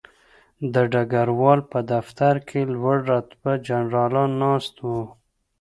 د ډګروال په دفتر کې لوړ رتبه جنرالان ناست وو